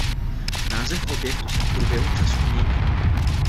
Název objektu se v průběhu času měnil.